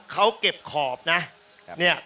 การเก็บขอบเนี่ย